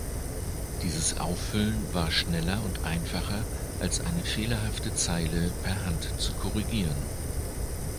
Dieses Auffüllen war schneller und einfacher, als eine fehlerhafte Zeile per Hand zu korrigieren.